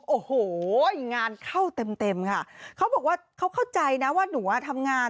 โอ้โหงานเข้าเต็มเต็มค่ะเขาบอกว่าเขาเข้าใจนะว่าหนูอ่ะทำงาน